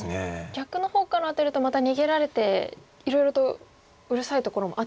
逆の方からアテるとまた逃げられていろいろとうるさいところもあったっていうことですか？